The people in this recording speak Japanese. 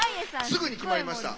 すぐに決まりました。